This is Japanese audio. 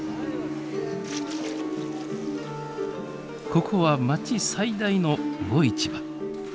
ここは町最大の魚市場。